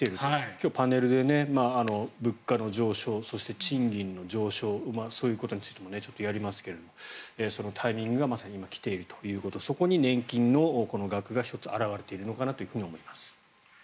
今日、パネルで物価の上昇、そして賃金の上昇そういうことについてもやりますけどそのタイミングがまさに今、来ているということそこに年金の額が１つ表れているのかなと思います。